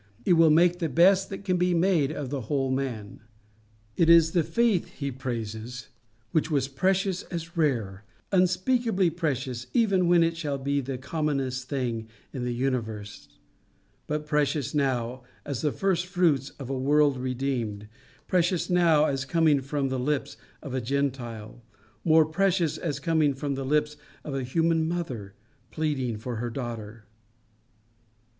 It will make the best that can be made of the whole man.] which was precious as rare unspeakably precious even when it shall be the commonest thing in the universe, but precious now as the first fruits of a world redeemed precious now as coming from the lips of a Gentile more precious as coming from the lips of a human mother pleading for her daughter.